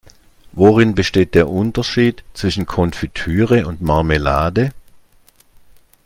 Worin besteht der Unterschied zwischen Konfitüre und Marmelade?